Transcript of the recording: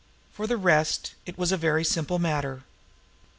For the rest, it was a very simple matter.